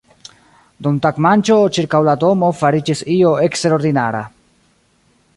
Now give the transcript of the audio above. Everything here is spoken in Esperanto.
Dum tagmanĝo ĉirkaŭ la domo fariĝis io eksterordinara.